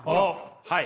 はい。